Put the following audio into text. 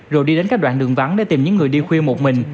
rồi đi đến các đoạn đường vắng để tìm những người đi khuya một mình